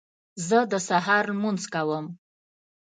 زه د سهار لمونځ کوم